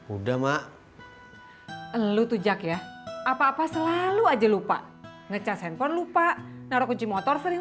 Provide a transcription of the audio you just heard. udah mak lu tujak ya apa apa selalu aja lupa ngecas handphone lupa naruh kunci motor sering